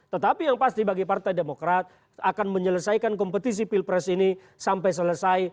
tetapi yang pasti bagi partai demokrat akan menyelesaikan kompetisi pilpres ini sampai selesai